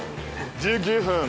１９分。